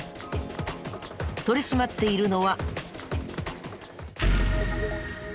取り締まっているのは。